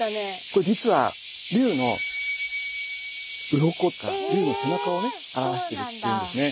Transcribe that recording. これ実は龍のうろこっていうか龍の背中をね表しているんですね。